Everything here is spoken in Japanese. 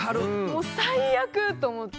「もう最悪」と思って。